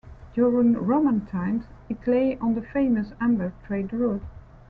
During Roman times, it lay on the famous amber trade route.